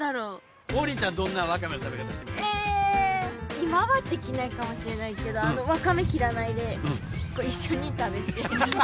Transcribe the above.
今はできないかもしれないけどワカメ切らないで一緒に食べて。